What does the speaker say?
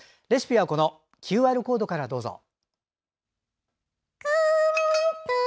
レシピはＱＲコードからどうぞ。